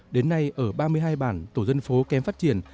đến nay ở ba mươi hai bản tổ dân phố kém phát triển